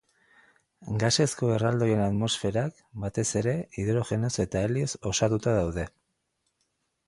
Gasezko erraldoien atmosferak batez ere hidrogenoz eta helioz osatuta daude.